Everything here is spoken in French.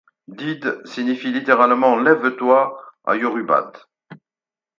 Dide signifie littéralement lève-toi en yoruba.